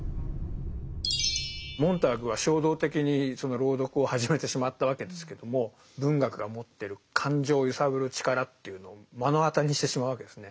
モンターグは衝動的にその朗読を始めてしまったわけですけども文学が持ってる感情を揺さぶる力というのを目の当たりにしてしまうわけですね。